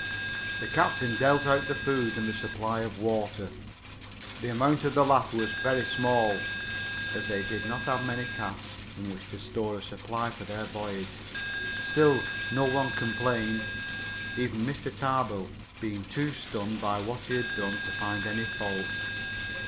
The captain dealt out the food and the supply of water. The amount of the latter was very small, as they did not have many casks in which to store a supply for their voyage. Still, no one complained, even Mr. Tarbill being too stunned by what he had done to find any fault.